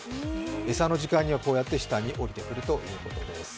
餌の時間にはこうやって下におりてくるということです。